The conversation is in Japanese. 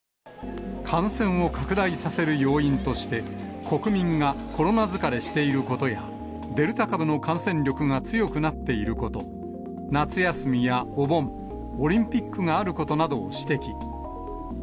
感染を拡大させる要因として、国民がコロナ疲れしていることや、デルタ株の感染力が強くなっていること、夏休みやお盆、オリンピックがあることなどを指摘。